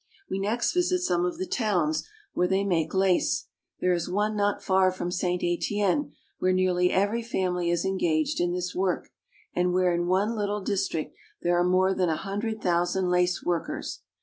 We next visit some of the towns where they make lace. There is one not far from St. Etienne where nearly every family is engaged in this work, and where in one little district there are more than a hundred thousand lace workers.